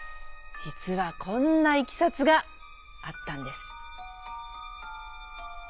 じつはこんないきさつがあったんです。